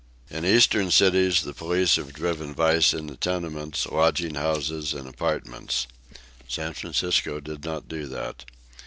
In Eastern cities the police have driven vice into tenements, lodging houses and apartments. San Francisco did not do that.